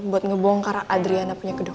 buat ngebongkar adriana punya gedung